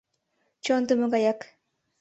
Чондымо гаяк.